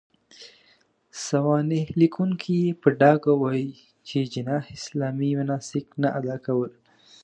سوانح ليکونکي يې په ډاګه وايي، چې جناح اسلامي مناسک نه اداء کول.